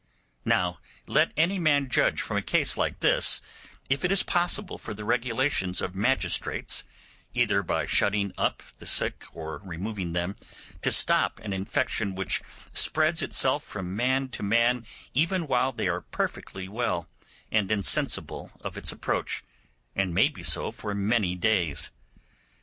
Now let any man judge from a case like this if it is possible for the regulations of magistrates, either by shutting up the sick or removing them, to stop an infection which spreads itself from man to man even while they are perfectly well and insensible of its approach, and may be so for many days.